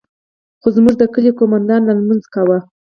خو زموږ د کلي قومندان لا لمونځ کاوه.